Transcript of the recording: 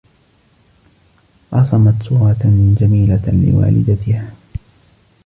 رسمَت صورة جميلة لوالدتها.